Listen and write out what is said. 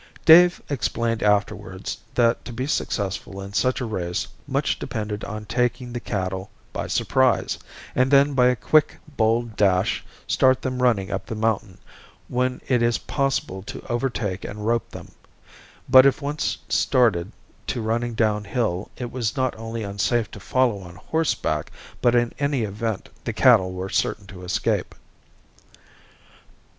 Dave explained afterwards that to be successful in such a race much depended on taking the cattle by surprise, and then by a quick, bold dash start them running up the mountain, when it was possible to overtake and rope them; but if once started to running down hill it was not only unsafe to follow on horseback but in any event the cattle were certain to escape.